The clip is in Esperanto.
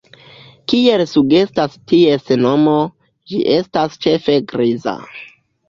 Kiel sugestas ties nomo, ĝi estas ĉefe griza.